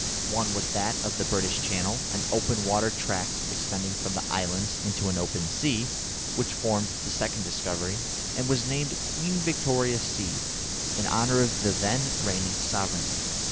One was that of the British Channel, an open water tract extending from the islands into an open sea, which formed the second discovery, and was named Queen Victoria Sea in honour of the then reigning sovereign.